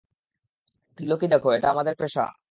ত্রিলোকি দেখো, এটা আমাদের পেশা।